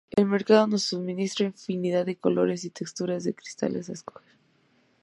El mercado nos suministra infinidad de colores y texturas de cristales a escoger.